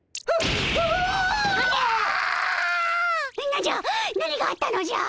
何じゃ何があったのじゃ。